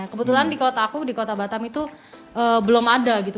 kebetulan di kota aku di kota batam itu belum ada gitu